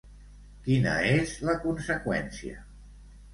Quina és la conseqüència?